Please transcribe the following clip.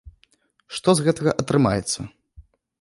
Што з гэтага атрымаецца?